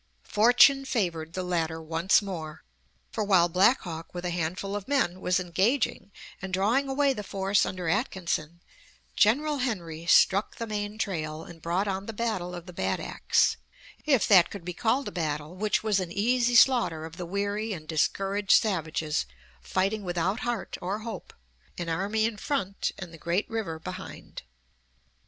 Fortune favored the latter once more, for while Black Hawk with a handful of men was engaging and drawing away the force under Atkinson, General Henry struck the main trail, and brought on the battle of the Bad Axe, if that could be called a battle which was an easy slaughter of the weary and discouraged savages, fighting without heart or hope, an army in front and the great river behind.